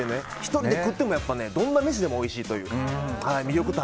１人で食ってもどんな飯でもおいしいっていう。